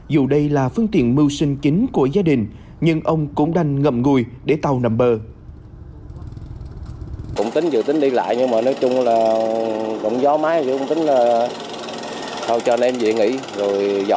dù đây là phương tiện mưu sinh chính của gia đình nhưng ông cũng đang ngậm ngùi để tàu nằm bờ